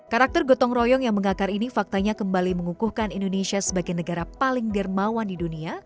karakter gotong royong yang mengakar ini faktanya kembali mengukuhkan indonesia sebagai negara paling dermawan di dunia